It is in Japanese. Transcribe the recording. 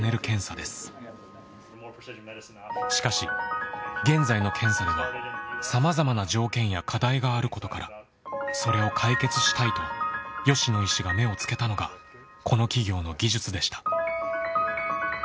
しかし現在の検査ではさまざまな条件や課題があることからそれを解決したいと吉野医師が目をつけたのがこの企業の技術でした。